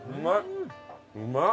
うまっ！